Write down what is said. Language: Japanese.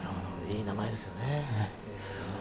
いい名前ですね。